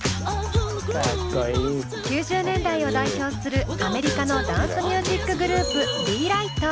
９０年代を代表するアメリカのダンスミュージックグループ